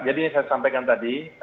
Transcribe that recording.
jadi saya sampaikan tadi